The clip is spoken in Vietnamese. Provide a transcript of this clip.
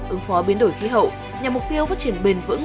ứng phó biến đổi khí hậu nhằm mục tiêu phát triển bền vững